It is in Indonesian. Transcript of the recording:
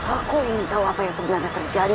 aku ingin tahu apa yang sebenarnya terjadi